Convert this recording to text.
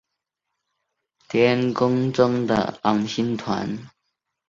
迈亚最后与其他普勒阿得斯一起变成了天空中的昴星团。